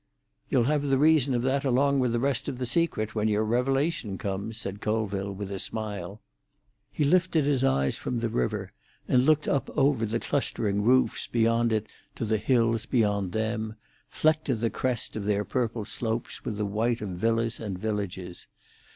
"You'll have the reason of that along with the rest of the secret when your revelation comes," said Colville, with a smile. He lifted his eyes from the river, and looked up over the clustering roofs beyond it to the hills beyond them, flecked to the crest of their purple slopes with the white of villas and villages.